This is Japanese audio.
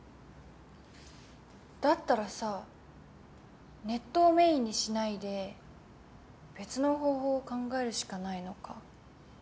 だったらさネットをメインにしないで別の方法を考えるしかないのか。